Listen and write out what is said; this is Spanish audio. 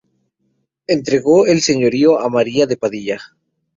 Entregó el señorío a María de Padilla.